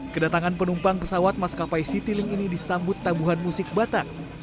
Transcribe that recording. kedatangan penumpang pesawat maskapai citylink ini disambut tabuhan musik batak